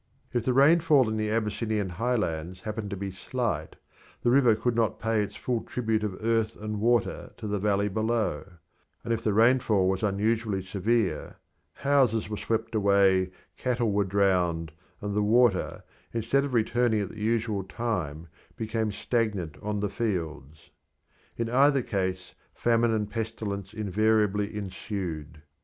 If the rainfall in the Abyssinian highlands happened to be slight, the river could not pay its full tribute of earth and water to the valley below; and if the rainfall was unusually severe, houses were swept away, cattle were drowned, and the water, instead of returning at the usual time, became stagnant on the fields. In either case famine and pestilence invariably ensued.